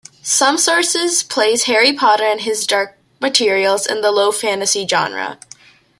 Some sources place "Harry Potter" and "His Dark Materials" in the low fantasy genre.